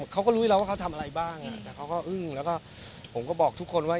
เขาก็รู้อยู่แล้วว่าเขาทำอะไรบ้างแต่เขาก็อึ้งแล้วก็ผมก็บอกทุกคนว่า